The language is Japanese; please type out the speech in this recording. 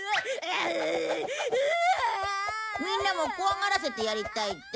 みんなも怖がらせてやりたいって？